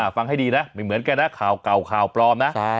ฟังให้ดีนะไม่เหมือนกันนะข่าวเก่าข่าวปลอมนะ